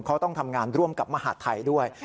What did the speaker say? เขาต้องทำงานร่วมกับมหาดไทยด้วย